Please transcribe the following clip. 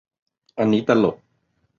อันนี้ตลก